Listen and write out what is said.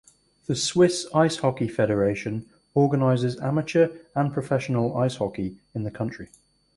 The Swiss Ice Hockey Federation organizes amateur and professional ice hockey in the country.